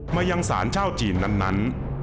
มายังสารเจ้าจีนนั้น